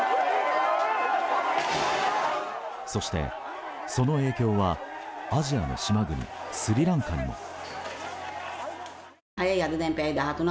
そして、その影響はアジアの島国スリランカにも。